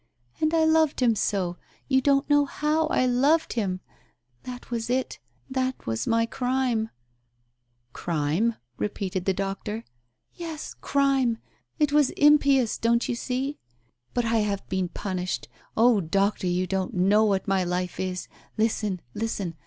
And I loved him so; you don't know how I loved him ! That was it — that was my crime " "Crime?" repeated the doctor. "Yes, crime! It was impious, don't you see? But Digitized by Google 120 TALES OF THE UNEASY I have been punished. Oh, Doctor, you don't know what my life is! Listen! Listen!